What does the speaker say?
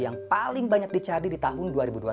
yang paling banyak dicari di tahun dua ribu dua puluh satu